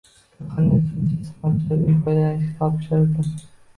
Surxondaryoda uchinchi “Iste’molchilar uyi” foydalanishga topshirildi